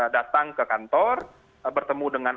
datang ke kantor bertemu dengan